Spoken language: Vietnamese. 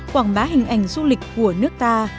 quảng bá hình ảnh du lịch của nước ta